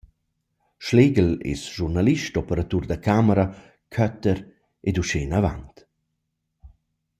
Schlegel es schurnalist, operatur da camera, cutter e.u. i.